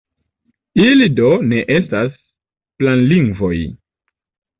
Ili do ne estas "planlingvoj".